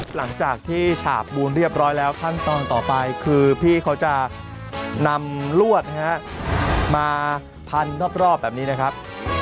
หลังจากที่ฉาบปูนเรียบร้อยแล้วขั้นตอนต่อไปคือพี่เขาจะนำลวดนะฮะมาพันรอบแบบนี้นะครับ